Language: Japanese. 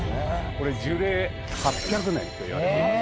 これ樹齢８００年といわれています。